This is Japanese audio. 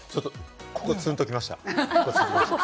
ここ、ツンと来ました。